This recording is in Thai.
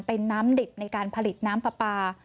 เป็นน้ำดิบในการผลิตน้ำปลาปลา